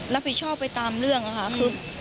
รับผิดชอบไปตามเรื่องค่ะคือ